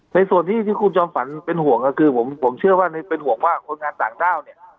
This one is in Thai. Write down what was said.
ในส่วนที่คุณจอมฝันเป็นห่วงก็คือผมเชื่อว่าเป็นห่วงว่าคนงานต่างด้าวเนี่ย